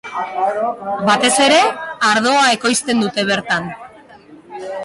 Batez ere ardoa ekoizten dute bertan.